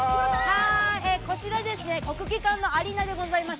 こちら、国技館のアリーナでございます。